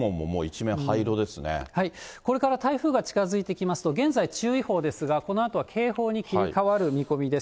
これから台風が近づいてきますと、現在、注意報ですが、このあとは警報に切り替わる見込みです。